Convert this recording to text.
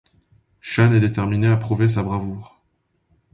Shane est déterminé à prouver sa bravoure.